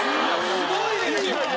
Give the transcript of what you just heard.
すごいですよ。